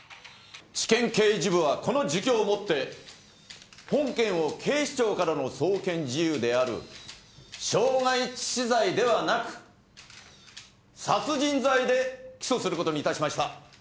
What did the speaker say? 地検刑事部はこの自供をもって本件を警視庁からの送検事由である傷害致死罪ではなく殺人罪で起訴する事にいたしました。